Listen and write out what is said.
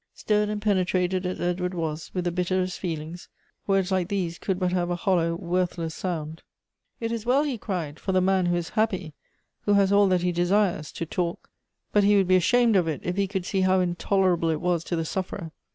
Stirred and penetrated as Edward was with the bitter est feelings, words like these could but have a hollow, worthless sound. " It is well," he cried, " for the man who is happy, who has all that he desires, to talk ; but he would be ashame{t of it if he could see how intolerable it was to the sufferer.